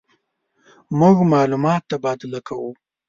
مونږ معلومات تبادله کوو.